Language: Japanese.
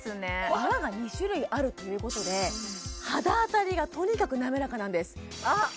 泡が２種類あるっていうことで肌あたりがとにかく滑らかなんですあ